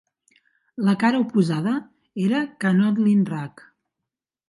La cara oposada era Canoodlin' Rag.